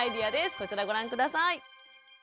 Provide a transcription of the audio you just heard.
こちらご覧下さい。